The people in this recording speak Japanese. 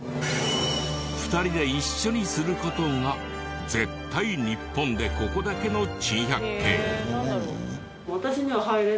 ２人で一緒にする事が絶対日本でここだけの珍百景。